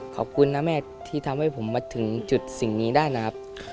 ขอบคุณนะแม่ที่ทำให้ผมมาถึงจุดสิ่งนี้ได้นะครับ